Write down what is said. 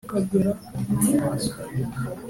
kuri Heziri ubwa cumi n umunani kuri Hapisesi